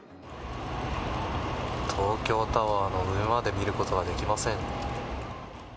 東京タワーの上まで見ることはできません。